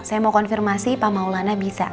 saya mau konfirmasi pak maulana bisa